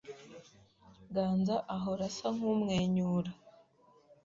Ganza ahora asa nkumwenyura.